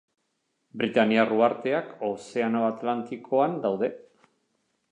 Britainiar uharteak Ozeano Atlantikoan daude.